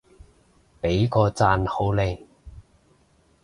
畀個讚好你